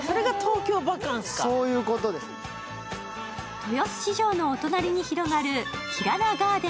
豊洲市場のお隣に広がるキラナガーデン